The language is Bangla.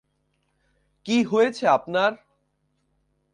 কী হয়েছে আপনার?